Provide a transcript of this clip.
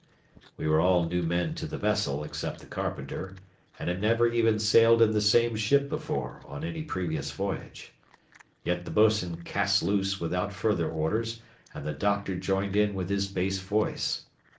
We were all new men to the vessel except the carpenter, and had never even sailed in the same ship before on any previous voyage. Yet the bos'n "cast loose" without further orders, and the "doctor" joined in with his bass voice.